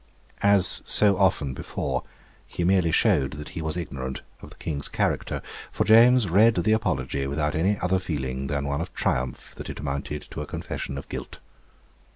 As so often before, he merely showed that he was ignorant of the King's character, for James read the Apology without any other feeling than one of triumph that it amounted to a confession of guilt.